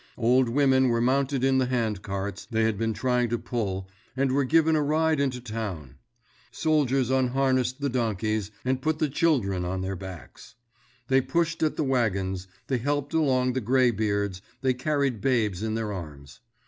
Old women were mounted in the handcarts they had been trying to pull and were given a ride into town. Soldiers unharnessed the donkeys and put the children on their backs. They pushed at the wagons, they helped along the graybeards, they carried babies in their arms.